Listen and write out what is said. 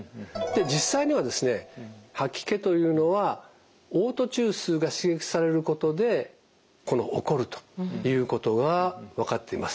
実際にはですね吐き気というのはおう吐中枢が刺激されることで起こるということが分かっています。